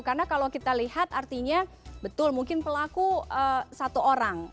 karena kalau kita lihat artinya betul mungkin pelaku satu orang